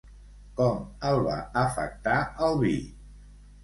Com el va afectar el vi?